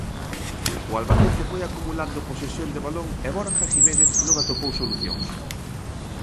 O Albacete foi acumulando posesión de balón e Borja Jiménez non atopou solucións.